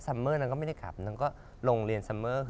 เมอร์นางก็ไม่ได้ขับนางก็โรงเรียนซัมเมอร์